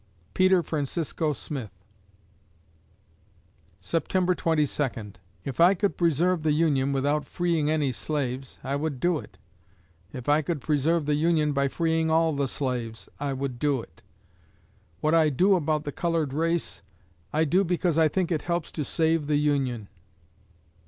PETER FRANCISCO SMITH September Twenty Second If I could preserve the Union without freeing any slaves, I would do it; if I could preserve the Union by freeing all the slaves, I would do it. What I do about the colored race, I do because I think it helps to save the Union.